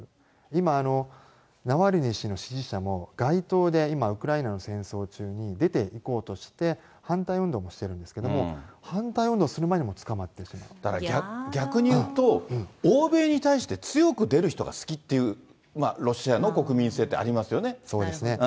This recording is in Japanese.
今、ナワリヌイ氏の支持者も、街頭で今ウクライナの戦争中に出ていこうとして、反対運動もしてるんですけど、反対運動する前に、もう逆に言うと、欧米に対して強く出る人が好きっていう、ロシアの国民性ってありますよね。